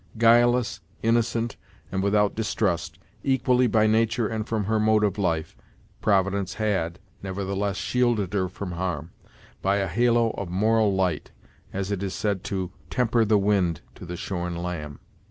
Guileless, innocent, and without distrust, equally by nature and from her mode of life, providence had, nevertheless shielded her from harm, by a halo of moral light, as it is said 'to temper the wind to the shorn lamb.'